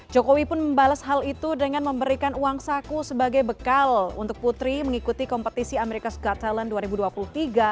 jokowi pun membalas hal itu dengan memberikan uang saku sebagai bekal untuk putri mengikuti kompetisi ⁇ americas ⁇ got talent dua ribu dua puluh tiga